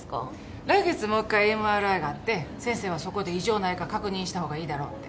来月もう１回ＭＲＩがあって先生はそこで異常ないか確認した方がいいだろうって。